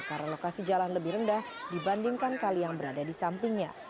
karena lokasi jalan lebih rendah dibandingkan kali yang berada di sampingnya